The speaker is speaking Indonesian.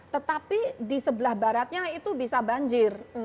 tetapi di sebelah baratnya itu bisa banjir